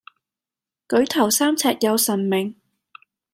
舉頭三尺有神明